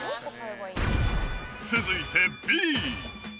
続いてＢ。